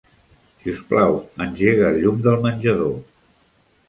Si us plau, engega el llum del menjador.